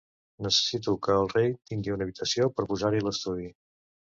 Necessito que el rei tingui una habitació per posar-hi l'estudi.